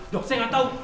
dok saya gak tau